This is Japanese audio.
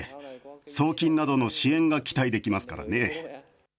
送金などの支援が期待できますからね。